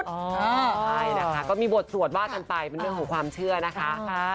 ใช่นะคะก็มีบทสวดว่ากันไปเป็นเรื่องของความเชื่อนะคะ